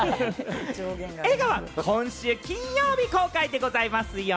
映画は今週金曜日、公開でございますよ。